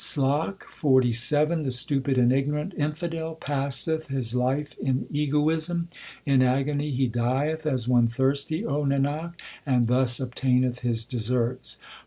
192 THE SIKH RELIGION SLOK XLVII The stupid and ignorant infidel passeth his life in egoism ; In agony he dieth as one thirsty, O Nanak, and thus obtaineth his deserts.